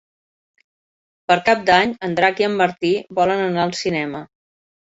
Per Cap d'Any en Drac i en Martí volen anar al cinema.